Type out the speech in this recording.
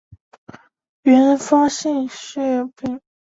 原发性血色病